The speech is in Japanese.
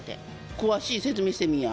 詳しい説明してみいや。